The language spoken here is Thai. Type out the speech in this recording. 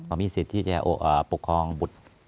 เขามีสิทธิ์ที่จะปกครองบุตร